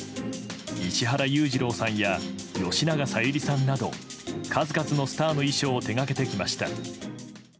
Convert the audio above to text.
石原裕次郎さんや吉永小百合さんなど数々のスターの衣装を手掛けてきました。